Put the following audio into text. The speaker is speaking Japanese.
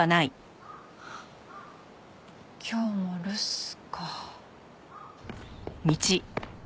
今日も留守か。